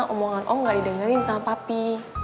omongan ong gak didengerin sama papi